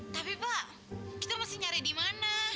tapi pak kita masih nyari dimana